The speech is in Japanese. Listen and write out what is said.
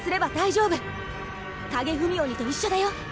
影踏み鬼と一緒だよ。